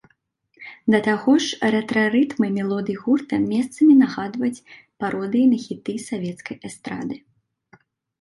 Да таго ж, рэтра-рытмы мелодый гурта месцамі нагадваць пародыі на хіты савецкай эстрады.